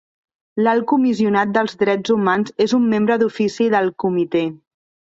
L'Alt Comissionat pels Drets Humans és un membre d'ofici del Comitè.